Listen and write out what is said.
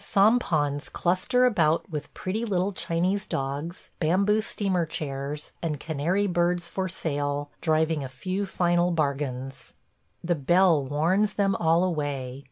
Sampans cluster about with pretty little Chinese dogs, bamboo steamer chairs, and canary birds for sale, driving a few final bargains. ... The bell warns them all away.